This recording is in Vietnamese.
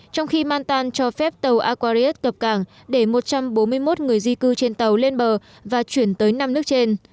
trong khi mantan cho phép tàu aquarius cập cảng để một trăm bốn mươi một người di cư trên tàu lên bờ và chuyển tới năm nước trên